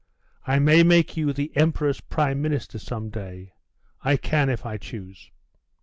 I may make you the emperor's prime minister some day. I can if I choose.